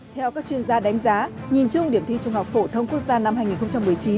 theo các chuyên gia đánh giá nhìn chung điểm thi trung học phổ thông quốc gia năm hai nghìn một mươi chín